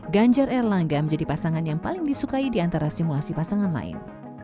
ganjar erlangga menjadi pasangan yang paling disukai di antara simulasi pasangan lain